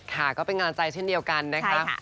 ค่ะก็เป็นงานใจเช่นเดียวกันนะคะ